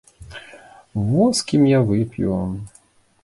Во з кім я вып'ю!